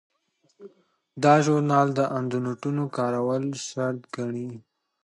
دا ژورنال د اندنوټونو کارول شرط ګڼي.